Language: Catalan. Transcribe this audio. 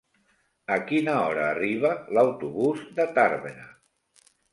A quina hora arriba l'autobús de Tàrbena?